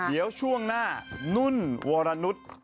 เดี๋ยวช่วงหน้านุ่นวรนุษย์